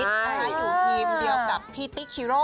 เอาไว้อยู่ทีมเดียวกับพี่ติ๊กชิโร่